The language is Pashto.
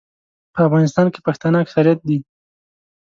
په افغانستان کې پښتانه اکثریت دي.